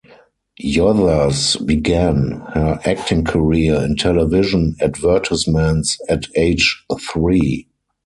Yothers began her acting career in television advertisements at age three.